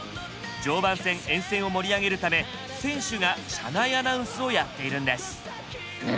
沿線を盛り上げるため選手が車内アナウンスをやっているんです。